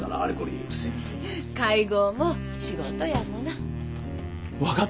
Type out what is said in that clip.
会合も仕事やもな。